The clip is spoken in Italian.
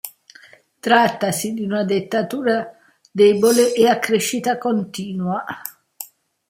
Trattasi di una dentatura debole e a crescita continua.